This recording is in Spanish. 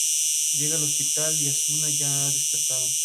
Llega al hospital y Asuna ya ha despertado.